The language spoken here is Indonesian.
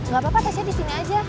gak apa apa tasnya disini aja